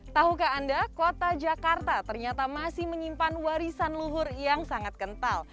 tahukah anda kota jakarta ternyata masih menyimpan warisan luhur yang sangat kental